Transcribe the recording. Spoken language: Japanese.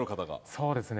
そうなんですね。